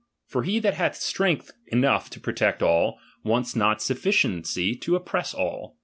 For he that liath strengtii cuougli to protect all, vants not sufRciency to oppress all.